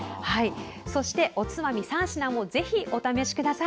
そして、おつまみ３品もぜひお試しください。